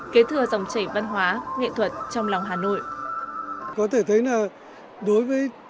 kế thừa dòng chảy văn hóa nghệ thuật trong lòng hà nội